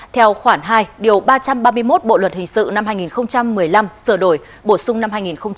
theo khoản hai điều ba trăm ba mươi một bộ luật hình sự năm hai nghìn một mươi năm sửa đổi bổ sung năm hai nghìn một mươi bảy